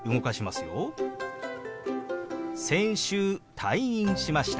「先週退院しました」。